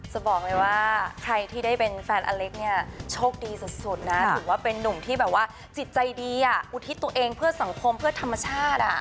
จะบอกเลยว่าใครที่ได้เป็นแฟนอเล็กเนี่ยโชคดีสุดนะถือว่าเป็นนุ่มที่แบบว่าจิตใจดีอุทิศตัวเองเพื่อสังคมเพื่อธรรมชาติ